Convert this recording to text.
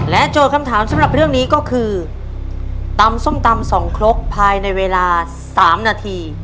โจทย์คำถามสำหรับเรื่องนี้ก็คือตำส้มตำสองครกภายในเวลา๓นาที